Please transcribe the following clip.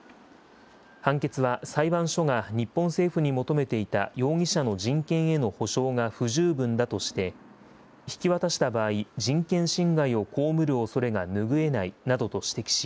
判決は裁判所が日本政府に求めていた容疑者の人権への保証が不十分だとして、引き渡した場合、人権侵害を被るおそれが拭えないなどと指摘し、